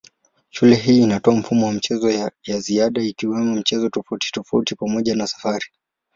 Shule hii inatoa mfumo wa michezo ya ziada ikiwemo michezo tofautitofauti pamoja na safari.